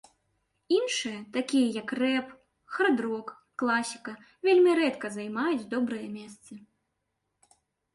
Іншыя, такія як рэп, хард-рок, класіка вельмі рэдка займаюць добрыя месцы.